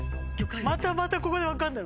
またまたここで分かんない。